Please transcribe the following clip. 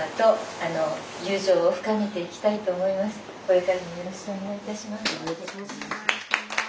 これからもよろしくお願いいたします。